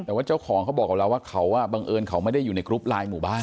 แต่ว่าเจ้าของเขาบอกกับเราว่าเขาบังเอิญเขาไม่ได้อยู่ในกรุ๊ปไลน์หมู่บ้าน